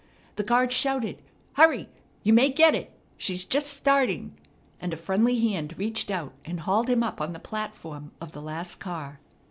The guard shouted: "Hurry! You may get it; she's just starting!" and a friendly hand reached out, and hauled him up on the platform of the last car.